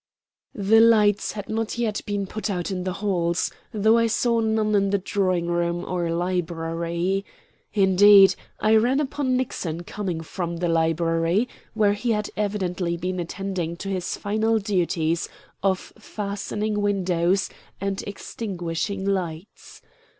The lights had not yet been put out in the halls, though I saw none in the drawing room or library. Indeed, I ran upon Nixon coming from the library, where he had evidently been attending to his final duties of fastening windows and extinguishing lights.